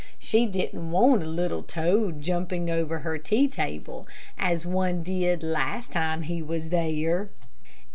She didn't want a little toad jumping over her tea table, as one did the last time he was there.